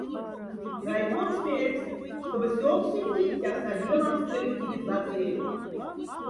Райкомсь мярьгсь, штоба сёксети тяса аделамс коллективизациять.